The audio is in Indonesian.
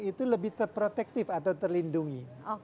itu lebih terprotektif atau terlindungi